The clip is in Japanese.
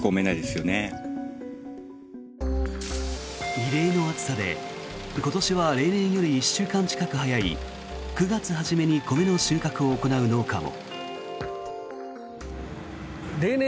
異例の暑さで今年は例年より１週間近く早い９月初めに米の収穫を行う農家も。